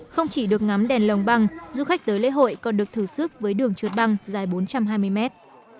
không chỉ được ngắm đèn lồng băng du khách tới lễ hội còn được thử sức với đường trượt băng dài bốn trăm hai mươi mét